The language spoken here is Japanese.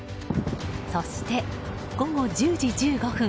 そして、午後１０時１５分